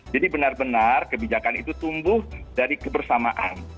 jadi benar benar kebijakan itu tumbuh dari kebersamaan